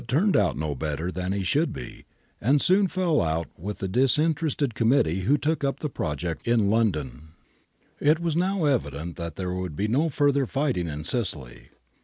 MESSINA OCCUPIED 99 turned out no better than he should be, and soon fell out with the disinterested committee who took up the project in London.^ It was now evident that there would be no further fighting in Sicily.